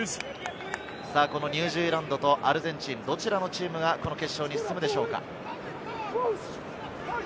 ニュージーランドとアルゼンチン、どちらのチームが決勝に進むでしょうか？